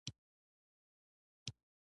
د غوږ درد لپاره د پیاز اوبه څه کړم؟